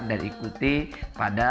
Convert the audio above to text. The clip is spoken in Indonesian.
dan ikuti pada